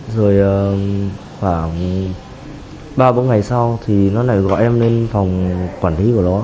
rồi khoảng ba bốn ngày sau thì nó lại gọi em lên phòng quản lý của nó